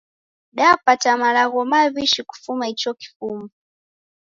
Dapata malagho maw'ishi kufuma icho kifumbu.